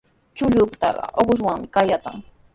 Chukllataqa uqshawanmi qatayan.